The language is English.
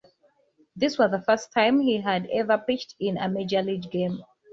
This was the first time he had ever pitched in a Major League game.